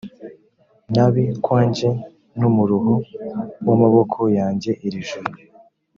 nabi kwanjye n umuruho w amaboko yanjye iri joro